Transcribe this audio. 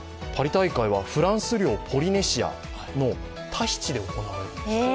フランス領ポリネシアのタヒチで行われるそうです。